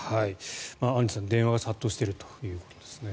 アンジュさん、電話が殺到しているということですね。